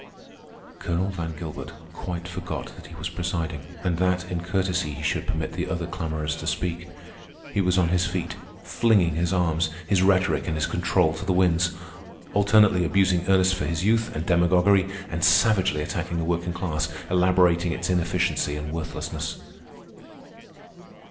Colonel Van Gilbert quite forgot that he was presiding, and that in courtesy he should permit the other clamorers to speak. He was on his feet, flinging his arms, his rhetoric, and his control to the winds, alternately abusing Ernest for his youth and demagoguery, and savagely attacking the working class, elaborating its inefficiency and worthlessness.